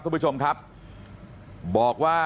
ครับคุณสาวทราบไหมครับ